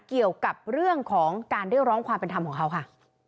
เกี่ยวกับเรื่องของการเรียกร้องความเป็นธรรมของเขาค่ะ